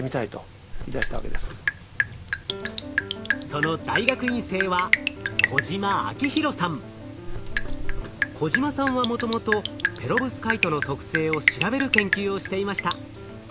その大学院生は小島さんはもともとペロブスカイトの特性を調べる研究をしていました。